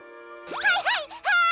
はいはいはい！